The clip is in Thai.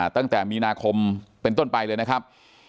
ตั้งแต่มีนาคมเป็นต้นไปเลยนะครับ